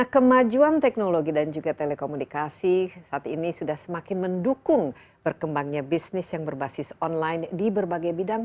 kemajuan teknologi dan juga telekomunikasi saat ini sudah semakin mendukung berkembangnya bisnis yang berbasis online di berbagai bidang